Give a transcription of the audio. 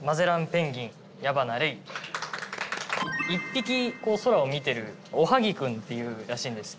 １匹空を見てるおはぎ君っていうらしいんですけど。